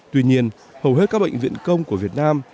tuy nhiên hầu hết các bệnh viện công của việt nam